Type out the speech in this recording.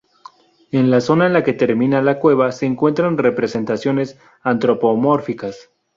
En la zona en la que termina la cueva se encuentran representaciones antropomórficas.